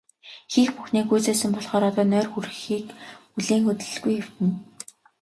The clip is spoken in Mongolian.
Хийх бүхнээ гүйцээсэн болохоор одоо нойр хүрэхийг хүлээн хөдлөлгүй хэвтэнэ.